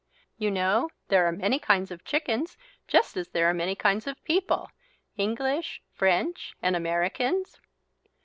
You know there are many kinds of chickens just as there are many kinds of people, English, French, and Americans.